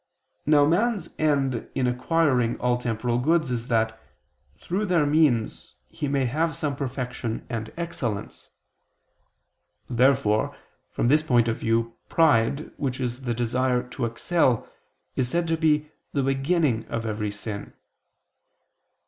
Now man's end in acquiring all temporal goods is that, through their means, he may have some perfection and excellence. Therefore, from this point of view, pride, which is the desire to excel, is said to be the "beginning" of every sin.